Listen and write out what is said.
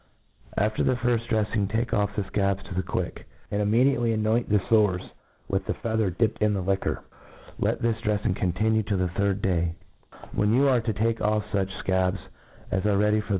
After the firft drcfling, take off the fcabs to the quick ; and immediately anoint the fores with the feather dipped in the liquor. Let this dreflt ing continue till the third day, when you are to take ,54 A TRE AT I S E OV take o6F fuch fcab$ as are ready of.